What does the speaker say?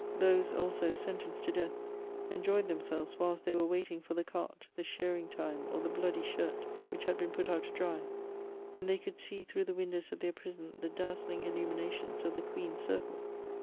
Those, also, sentenced to death, enjoyed themselves whilst they were waiting for the cart, the shearing time^ or the bloody shirt, which had been put out to dry, and they could see through the windows of their prison the dazzling illuminations of the queen's circle.